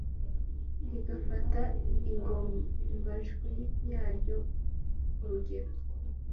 rigafata ingombajwi yaryo urugero